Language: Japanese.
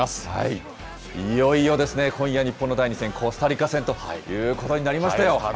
いよいよですね、第２戦、コスタリカ戦ということになりましたよ。